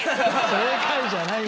正解！じゃないよ。